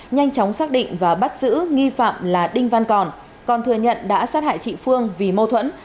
nhanh chóng xác định và bắt giữ nghi phạm là đinh văn còn còn thừa nhận đã sát hại chị phương vì mâu thuẫn